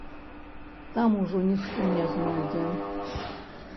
Там ужо ніхто не знойдзе.